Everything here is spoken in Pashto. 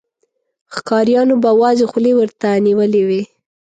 ښکاريانو به وازې خولې ورته نيولې وې.